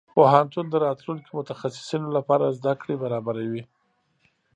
پوهنتون د راتلونکي متخصصينو لپاره زده کړې برابروي.